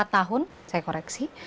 empat tahun saya koreksi